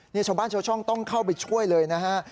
นี่ชาวบ้านชาวช่องต้องเข้าไปช่วยเลยนะฮะ